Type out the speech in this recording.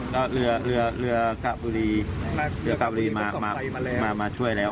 ใช่ก็เรือกราบบุรีมาช่วยแล้ว